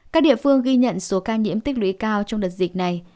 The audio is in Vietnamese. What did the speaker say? các địa phương ghi nhận số ca nhiễm tích lũy cao trong đợt dịch này